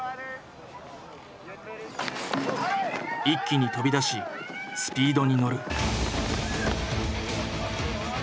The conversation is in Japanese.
一気に飛び出しスピードに乗る。